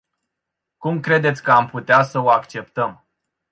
Cum credeți că am putea să o acceptăm?